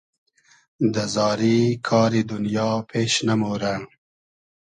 دۂ زاری کاری دونیا پېش نئمۉرۂ